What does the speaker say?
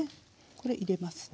これ入れますね。